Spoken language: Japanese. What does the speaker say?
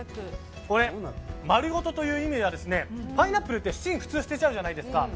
丸ごとという意味はパイナップルって芯を普通、捨てちゃうじゃないですか。